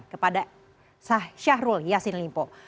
kepada syahrul yassin limpo